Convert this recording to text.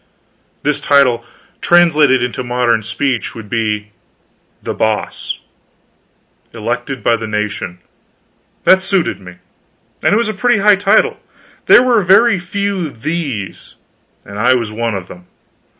This title, translated into modern speech, would be THE BOSS. Elected by the nation. That suited me. And it was a pretty high title. There were very few THE'S, and I was one of them.